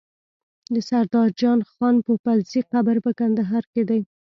د سردار جان خان پوپلزی قبر په کندهار کی دی